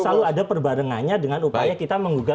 selalu ada perbarengannya dengan upaya kita menggugat